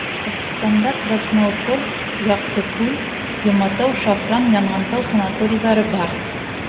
Башҡортостанда Красноусольск, Яҡтыгүл, Йоматау, Шафран, Янғантау санаторийҙары бар.